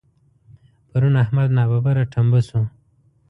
پرون احمد ناببره ټمبه شو.